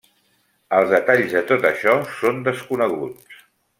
Els detalls de tot això són desconeguts.